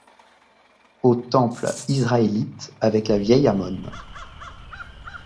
Au temple israélite, avec la vieille Ammon.